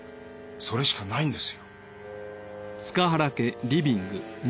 それしかないんですよ。